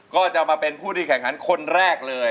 ก็จะมาเป็นผู้ที่แข่งขันคนแรกเลย